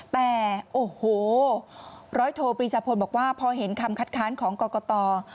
แต่โอ้โหร้อยโทปรีชาพลบอกว่าพอเห็นคำคัดค้านของกรกต